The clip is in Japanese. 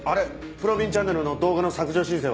『ぷろびんチャンネル』の動画の削除申請は？